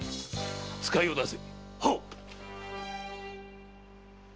使いを出せ！